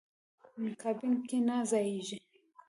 کابین کې نه ځایېږي.